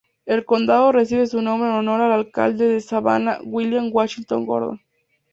El condado recibe su nombre en honor al alcalde de Savannah William Washington Gordon.